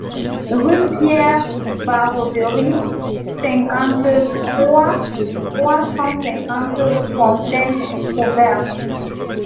Rue Pierre Barauderie, cinquante-trois, trois cent cinquante Fontaine-Couverte